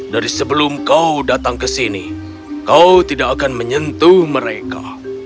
dari sebelum kau datang ke sini kau tidak akan menyentuh mereka